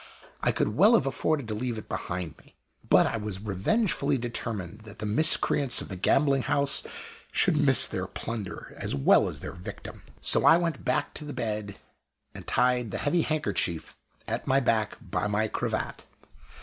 I could well have afforded to leave it behind me, but I was revengefully determined that the miscreants of the gambling house should miss their plunder as well as their victim. So I went back to the bed and tied the heavy handkerchief at my back by my cravat.